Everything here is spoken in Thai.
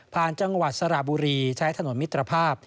จังหวัดสระบุรีใช้ถนนมิตรภาพ